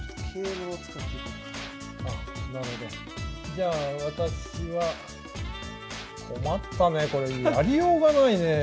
じゃあ私は困ったねこれやりようがないねえ。